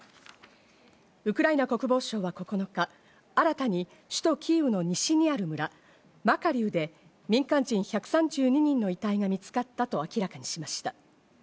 ウクライナ国防省は９日、新たに首都キーウの西にある村、マカリウで民間人１３２人の遺体が見つかったと明らかにしました。